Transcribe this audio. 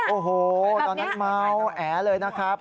โอ้โหตอนนั้นเมาแอเลยนะครับ